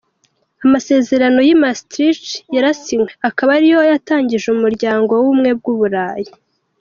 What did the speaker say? Amasezerano y’i Maastricht yarasinywe, akaba ariyo yatangije umuryango w’ubumwe bw’uburayi.